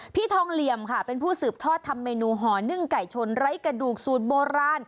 พี่ทองเหลี่ยมค่ะเป็นผู้สืบทอดทำเมนูห่อนึ่งไก่ชนไร้กระดูกสูตรโบราณ